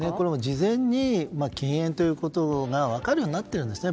事前に禁煙ということが分かるようになってるんですね。